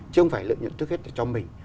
chứ không phải lợi nhuận trước hết là cho mình